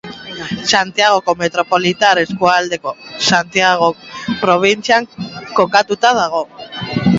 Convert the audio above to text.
Santiagoko metropolitar eskualdeko Santiago probintzian kokatuta dago.